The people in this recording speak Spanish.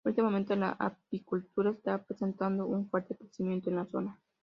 Últimamente la apicultura está presentando un fuerte crecimiento en la zona.